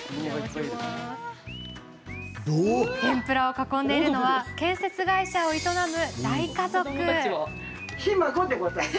天ぷらを囲んでいるのは建設会社を営む大家族。